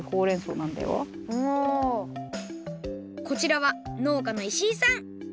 こちらはのうかの石井さん。